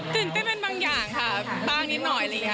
ตื่นเต้นเป็นบางอย่างค่ะบ้างนิดหน่อยอะไรอย่างนี้